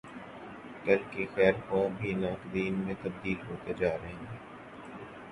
کل کے خیر خواہ بھی ناقدین میں تبدیل ہوتے جارہے ہیں۔